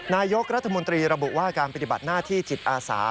นายกรัฐมนตรีระบุว่าการปฏิบัติหน้าที่จิตอาสา